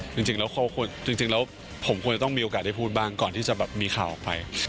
จริงแล้วจริงแล้วผมควรจะต้องมีโอกาสได้พูดบ้างก่อนที่จะแบบมีข่าวออกไป